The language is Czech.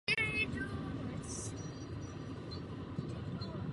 Larvy procházejí pěti fázemi růstu.